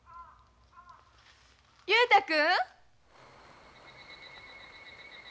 雄太君？